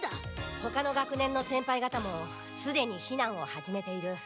ほかの学年の先輩がたもすでにひ難を始めている。